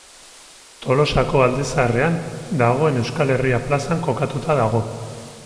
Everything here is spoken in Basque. Tolosako Alde Zaharrean dagoen Euskal Herria plazan kokatua dago.